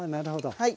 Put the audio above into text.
はい。